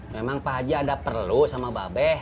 memang pak haji ada perlu sama mbak be